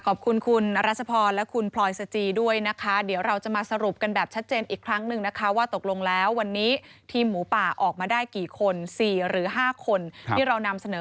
ขอบคุณคุณอรัชพรและคุณพลอยสจีด้วยนะคะเดี๋ยวเราจะมาสรุปกันแบบชัดเจนอีกครั้งหนึ่งนะคะว่าตกลงแล้ววันนี้ทีมหมูป่าออกมาได้กี่คน๔หรือ๕คนที่เรานำเสนอ